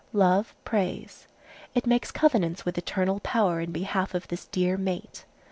Love prays. It makes covenants with Eternal Power in behalf of this dear mate.